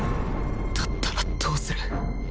だったらどうする？